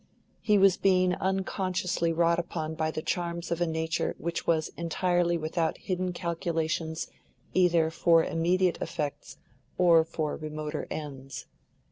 He was being unconsciously wrought upon by the charms of a nature which was entirely without hidden calculations either for immediate effects or for remoter ends.